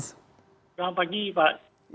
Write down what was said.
selamat pagi pak